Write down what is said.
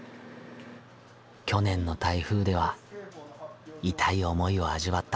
去年の台風では痛い思いを味わった。